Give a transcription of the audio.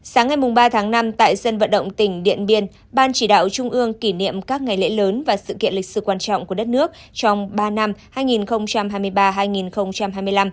sáng ngày ba tháng năm tại dân vận động tỉnh điện biên ban chỉ đạo trung ương kỷ niệm các ngày lễ lớn và sự kiện lịch sử quan trọng của đất nước trong ba năm hai nghìn hai mươi ba hai nghìn hai mươi năm